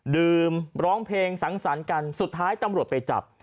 ดื่มร้องเพลงสังสรรค์กันสุดท้ายตำรวจไปจับ